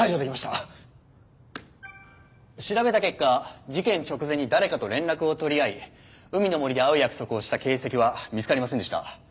調べた結果事件直前に誰かと連絡を取り合い海の森で会う約束をした形跡は見つかりませんでした。